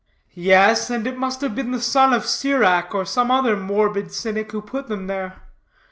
"Yes, and it must have been the Son of Sirach, or some other morbid cynic, who put them there.